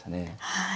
はい。